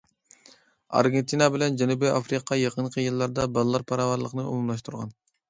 ئارگېنتىنا بىلەن جەنۇبىي ئافرىقا يېقىنقى يىللاردا بالىلار پاراۋانلىقىنى ئومۇملاشتۇرغان.